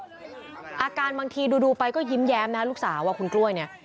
จะจัดให้อาการบางทีดูดูไปก็ยิ้มแย้มนะครับลูกสาวว่าคุณกล้วยเนี่ย